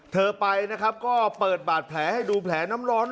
เขาไปที่นี่ก็เปิดบาดแผลให้ดูแผลน้ำร้อน